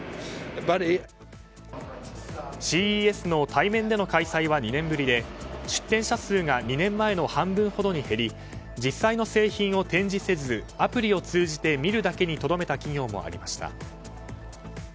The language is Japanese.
ＣＥＳの対面での開催は２年ぶりで出展社数が２年前の半分ほどに減り実際の製品を展示せずアプリを通じて見るだけにとどめた企業間もありました。